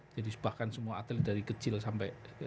jadi bahkan semua atlet dari kecil sampai